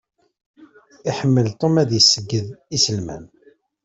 Iḥemmel Tom ad d-iṣeyyed iselman.